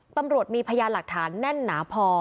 ตำรวจมีพยานหลักฐานแน่นหนาพอ